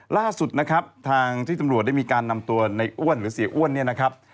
ล่าสุดนะครับทางที่ตำรวจได้มีการนำตัวในอ้วนหรือเสียอ้วนเนี่ยนะครับ